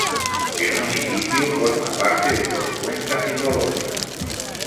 El municipio forma parte de dos cuencas hidrológicas.